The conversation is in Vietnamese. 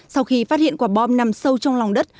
sau khi phát hiện quả bom nằm sâu trong lòng đất